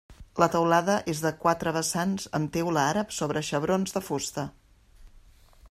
La teulada és de quatre vessants amb teula àrab sobre xebrons de fusta.